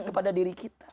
kepada diri kita